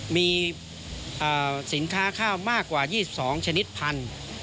มีสินค้าข้าวมากกว่า๒๒ชนิดพันธุ์